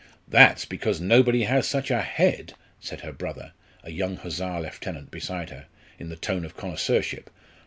"That's because nobody has such a head," said her brother, a young Hussar lieutenant, beside her, in the tone of connoisseurship.